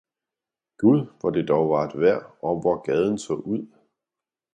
Gud, hvor det dog var et vejr, og hvor gaden så ud!